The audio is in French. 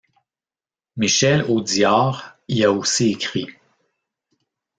Michel Audiard y a aussi écrit.